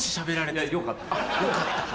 いや「よかった」と。